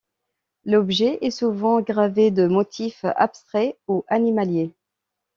L'objet est souvent gravé de motifs abstraits ou animaliers.